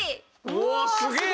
うわあすげえ！